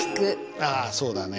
ああそうだね。